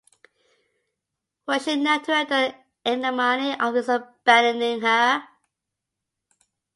Was she now to endure the ignominy of his abandoning her?